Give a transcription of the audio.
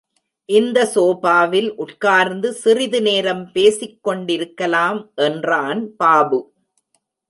இந்த சோபாவில் உட்கார்ந்து சிறிது நேரம் பேசிக் கொண்டிருக்கலாம், என்றான் பாபு.